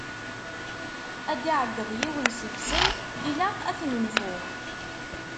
Ad d-iɛegeḍ yiwen seg-sen: ilaq ad t-nenfu!